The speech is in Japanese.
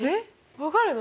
分かるの？